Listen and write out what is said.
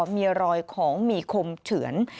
มีรอยของมีคมเฉือน